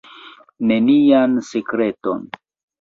Nenian sekreton.